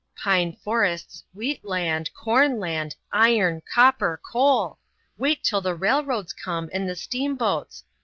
Pine forests, wheat land, corn land, iron, copper, coal wait till the railroads come, and the steamboats!